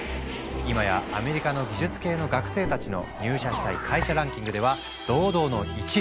今やアメリカの技術系の学生たちの入社したい会社ランキングでは堂々の１位。